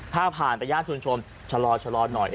ถ้าผ่านไปย่านชุมชนชะลอหน่อย